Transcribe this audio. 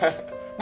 何？